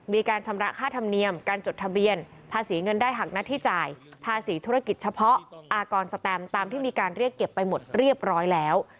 มีการชำระค่าธรรมเนียมการจดทะเบียนภาษีเงินได้หักหน้าที่จ่ายภาษีธุรกิจเฉพาะอากรสแตมตามที่มีการเรียกเก็บไปหมดเรียบร้อยแล้ว